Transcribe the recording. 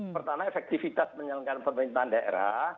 pertama efektivitas penyelenggaraan pemerintahan daerah